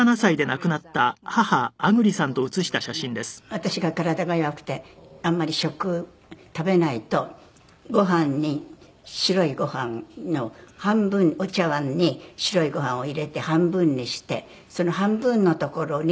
私が体が弱くてあんまり食食べないとご飯に白いご飯の半分お茶碗に白いご飯を入れて半分にしてその半分の所に御味